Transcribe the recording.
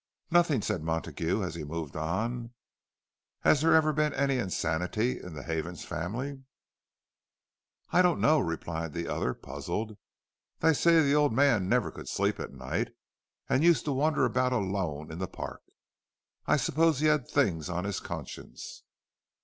"Nothing," said Montague, as he moved on. "Has there ever been any insanity in the Havens family?" "I don't know," replied the other, puzzled. "They say the old man never could sleep at night, and used to wander about alone in the park. I suppose he had things on his conscience."